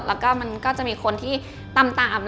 แล้วก็มันก็จะมีคนที่ตาม